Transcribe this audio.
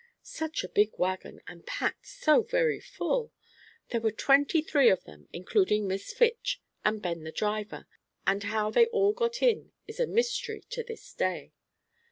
Such a big wagon, and packed so very full! There were twenty three of them, including Miss Fitch, and Ben, the driver, and how they all got in is a mystery to this day.